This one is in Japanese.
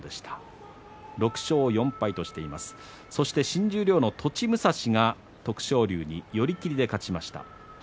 新十両の栃武蔵徳勝龍に寄り切りで勝ちました。